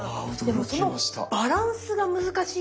でもそのバランスが難しいですよね。